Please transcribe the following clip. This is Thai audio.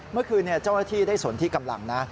เมื่อคืนเจ้าหน้าที่ได้สนที่กำลังนะ